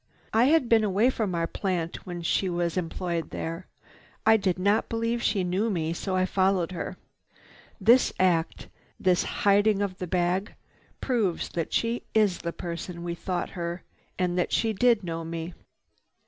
I had been away from our plant when she was employed there. I did not believe she knew me, so I followed her. This act, this hiding of the bag proves that she is the person we thought her and that she did know me.